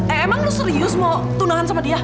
emang lo serius mau tunangan sama dia